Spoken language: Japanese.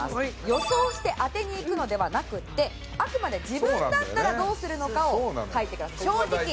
予想して当てにいくのではなくってあくまで自分だったらどうするのかを書いてください正直に。